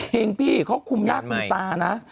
พี่เขาคุมหน้าคุมตานะ